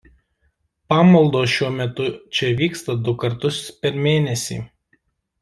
Pamaldos šiuo metu čia vyksta du kartus per mėnesį.